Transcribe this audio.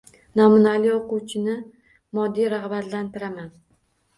Namunali o‘quvchini moddiy rag‘batlantiraman.